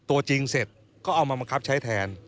ตัวจริงเสร็จก็เอามาบังคับใช้แทน